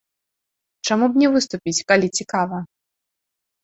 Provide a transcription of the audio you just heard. Чаму б не выступіць, калі цікава?